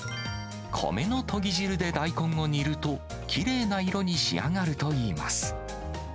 米のとぎ汁で大根を煮ると、きれいな色に仕上がるといいます。